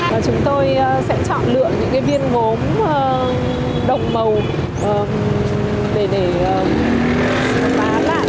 và chúng tôi sẽ chọn lượng những viên gốm đồng màu để xử phá lại